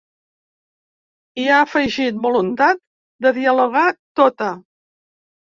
I ha afegit: Voluntat de dialogar, tota.